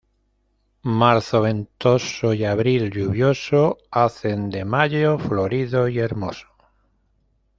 Marzo ventoso y abril lluvioso hacen de mayo florido y hermoso.